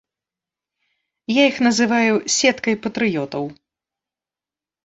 Я іх называю сеткай патрыётаў.